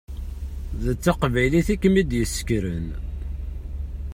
D taqbaylit i kem-id-yessekren.